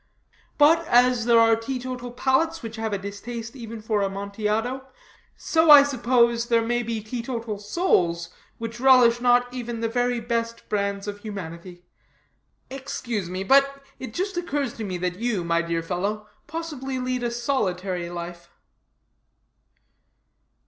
But as there are teetotal palates which have a distaste even for Amontillado, so I suppose there may be teetotal souls which relish not even the very best brands of humanity. Excuse me, but it just occurs to me that you, my dear fellow, possibly lead a solitary life."